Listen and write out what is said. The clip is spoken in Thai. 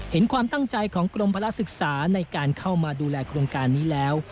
เห็นความตั้งใจของกรมภาระศึกษาในการเข้ามาดูแลโครงการนี้แล้ว